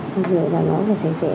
rồi là nó phải sạch sẽ